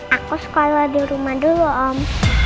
aku sekolah di rumah dulu om